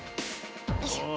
よいしょ。